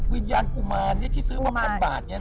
วิญญาณกุมารที่ซื้อมาพันบาท